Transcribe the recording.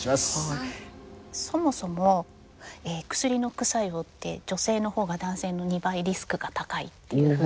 そもそも薬の副作用って女性の方が男性の２倍リスクが高いっていうふうに。